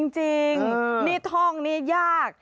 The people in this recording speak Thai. จริงนี่ท่องนี้ยาก